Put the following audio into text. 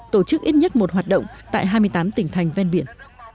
tổ chức ít nhất một hoạt động tại hai mươi tám tỉnh thành ven biển